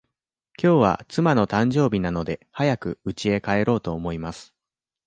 きょうは妻の誕生日なので、早くうちへ帰ろうと思います。